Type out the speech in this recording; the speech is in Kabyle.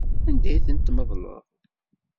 Anda i ten-tmeḍleḍ?